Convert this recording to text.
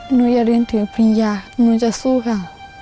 หนูอย่าเรียนถือปริญญาหนูจะสู้ค่ะ